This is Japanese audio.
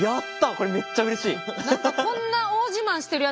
これめっちゃうれしい！